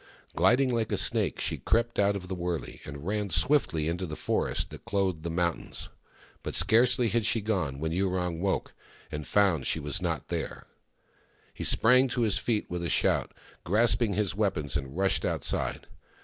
Gliding like a snake, she crept out of the wurlcy, and ran swiftly into the forest that clothed the mountains. But scarcely had she gone when Yurong woke and found she was not there. He sprang to his feet with a shout, grasping his weapons, and rushed outside.